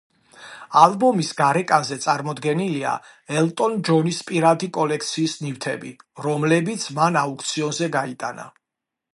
ალბომის გარეკანზე წარმოდგენილია ელტონ ჯონის პირადი კოლექციის ნივთები, რომლებიც მან აუქციონზე გაიტანა.